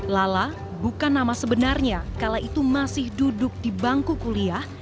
lala bukan nama sebenarnya kala itu masih duduk di bangku kuliah